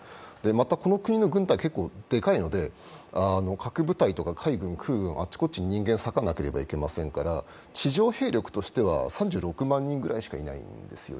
また、この国の軍隊は結構でかいので核部隊とか海軍、空軍などあっちこっち人間、さかなければいけませんから、地上兵力としては３６万人ぐらいしかいないんです。